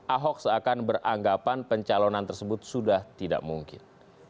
ahok seakan beranggapan pencalonan tersebut sudah tidak mungkin